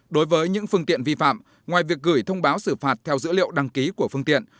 đối với những phương tiện vi phạm ngoài việc gửi thông báo xử phạt theo dữ liệu đăng ký của phương tiện